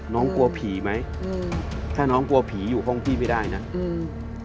น้องกลัวผีไหมอืมถ้าน้องกลัวผีอยู่ห้องพี่ไม่ได้น่ะอืม